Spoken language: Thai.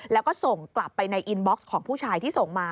แล้วก็ส่งกลับไปในอินบ็อกซ์ของผู้ชายที่ส่งมา